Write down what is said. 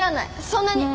そんなに。